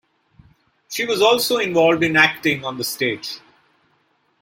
She was also involved in acting on the stage.